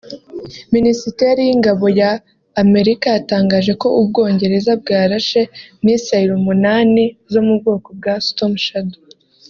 Minisiteri y’Ingabo ya Amerika yatangaje ko u Bwongereza bwarashe missile umunani zo mu bwoko bwa Storm Shadow